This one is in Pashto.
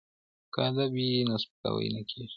که ادب وي نو سپکاوی نه کیږي.